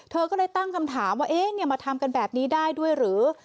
เธอก็เลยตั้งคำถามว่าเอ๊ะมาทำกันแบบนี้ได้ด้วยหรือ